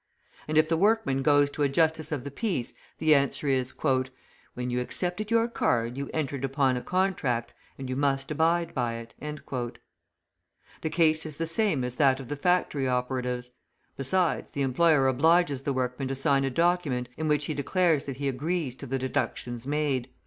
And if the workman goes to a Justice of the Peace, the answer is: "When you accepted your card you entered upon a contract, and you must abide by it." The case is the same as that of the factory operatives. Besides, the employer obliges the workman to sign a document in which he declares that he agrees to the deductions made.